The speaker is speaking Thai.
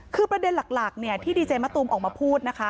คือประเด็นหลักที่ดีเจมะตูมออกมาพูดนะคะ